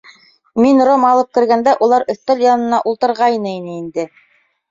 Мин ром алып кергәндә, улар өҫтәл янына ултырғайны ине инде.